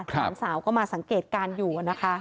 หลานสาวก็มาสังเกตการณ์อยู่นะคะ